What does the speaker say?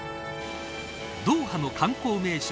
ドーハの観光名所